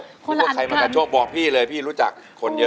เนี่ยเพราะว่าใครมาการการชกบอกพี่เลยพี่รู้จักคนเยอะ